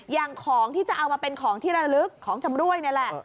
อย่างของที่จะเอามาเป็นของที่ระลึกของชำรวยนี่แหละ